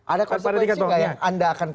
ada konsekuensi gak yang anda akan putarkan